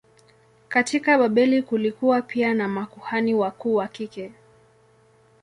Katika Babeli kulikuwa pia na makuhani wakuu wa kike.